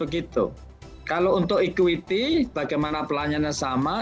kalau untuk equity bagaimana pelayanannya sama